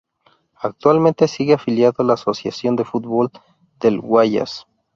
Actualmente sigue afiliado a la Asociación de Fútbol del Guayas.